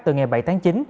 từ ngày bảy tháng chín